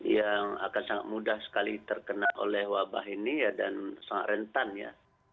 yang akan sangat mudah sekali terkena oleh wabah ini dan sangat rentan ya